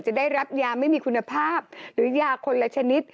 จะได้รับยาไม่มีคุณภาพหรือยาคนละชนิด